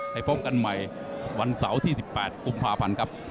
พบกันใหม่วันเสาร์ที่๑๘กุมภาพันธ์ครับ